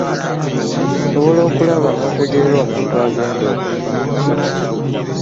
Osobola okulaba n'okutegeera omuntu agenda okufa.